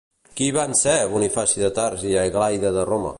Qui van ser Bonifaci de Tars i Aglaida de Roma?